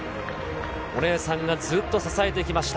お姉さんがずっと支えてきました。